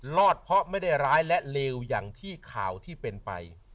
รอดเพราะไม่ได้ร้ายและเลวอย่างที่ข่าวที่เป็นไป